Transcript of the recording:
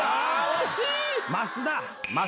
惜しい！